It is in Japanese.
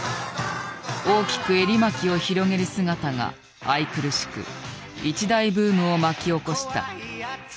大きくエリマキを広げる姿が愛くるしく一大ブームを巻き起こした。